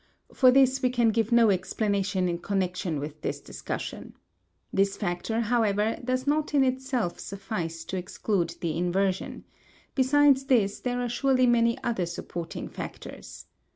For this we can give no explanation in connection with this discussion. This factor, however, does not in itself suffice to exclude the inversion; besides this there are surely many other supporting factors.